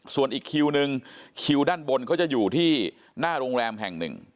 ส่วนอีกคิวนึงคิวด้านบนเขาจะอยู่ที่หน้าโรงแรมแห่งหนึ่ง